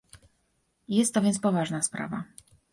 Jest to więc poważna sprawa